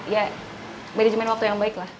ya manajemen waktu yang baik lah